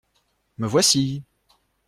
Me voici.